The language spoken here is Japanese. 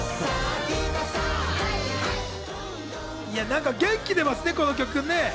なんか元気が出ますね、この曲ね。